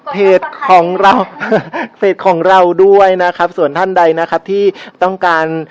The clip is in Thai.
เพจของเราเพจของเราด้วยนะครับส่วนท่านใดนะครับที่ต้องการ